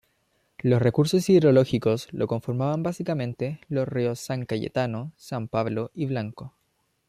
Los recursos hidrológicos lo conforman básicamente, los ríos San Cayetano, San Pablo y Blanco.